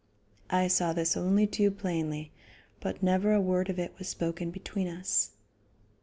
I saw this only too plainly, but never a word of it was spoken between us.